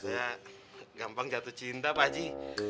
gak gampang jatuh cinta pak ji